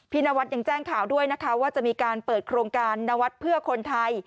นวัฒน์ยังแจ้งข่าวด้วยนะคะว่าจะมีการเปิดโครงการนวัดเพื่อคนไทย